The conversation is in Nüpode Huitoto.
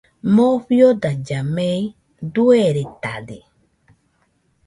Moo fiodailla mei dueredade